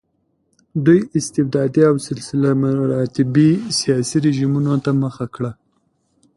دوی استبدادي او سلسله مراتبي سیاسي رژیمونو ته مخه کړه.